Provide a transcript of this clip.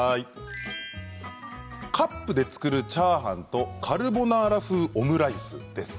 カップで作るチャーハンとカルボナーラ風オムライスです。